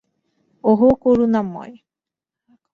ওহ, করুণাময়!